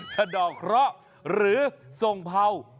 เสดาคระหรือทรงเผา